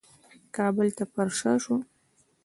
کابل ته پرشا شو.